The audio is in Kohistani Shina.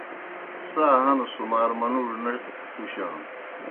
سا ہنوْ سُمار منُوڙوْ نہ تُشانوْ